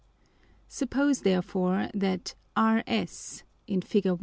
1] Suppose therefore, that RS [in _Fig.